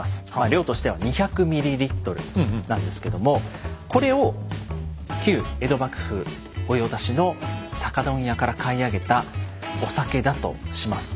量としては２００ｍｌなんですけどもこれを旧江戸幕府御用達の酒問屋から買い上げたお酒だとします。